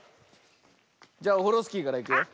じゃオフロスキーからいくよ。